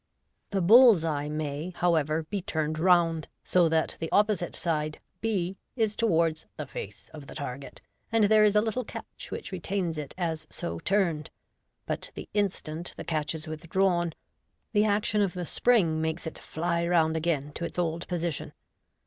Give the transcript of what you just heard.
The bull's eye may, however, be turned round, so that the opposite side, b, is towards the face of the target, and there is a little catch which retains it as so turned j but the instant the catch is withdrawn, the action of the spring makes it fly round again to its old position.